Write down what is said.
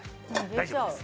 大丈夫です